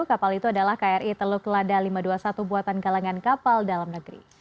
kapal itu adalah kri teluk lada lima ratus dua puluh satu buatan galangan kapal dalam negeri